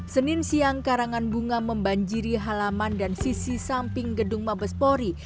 senin siang karangan bunga membanjiri halaman dan sisi samping gedung mabespori